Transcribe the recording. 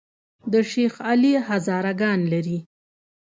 د شیخ علي هزاره ګان لري